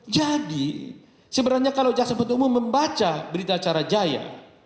jadi sebenarnya kalau jakson penuntut umum membaca berita acara jaya